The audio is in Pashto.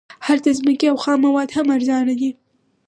هلته ځمکې او خام مواد هم ارزانه دي